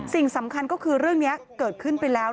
สิ่งสำคัญก็คือเรื่องนี้เกิดขึ้นไปแล้ว